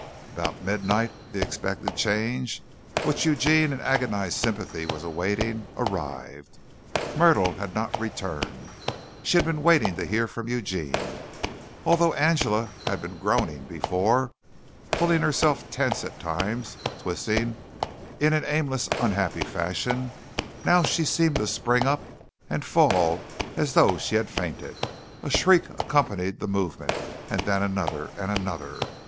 About midnight the expected change, which Eugene in agonized sympathy was awaiting, arrived. Myrtle had not returned. She had been waiting to hear from Eugene. Although Angela had been groaning before, pulling herself tense at times, twisting in an aimless, unhappy fashion, now she seemed to spring up and fall as though she had fainted. A shriek accompanied the movement, and then another and another.